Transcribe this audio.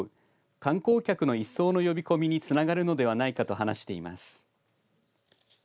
観光客の一層の呼び込みにつながるのではないかと話しています。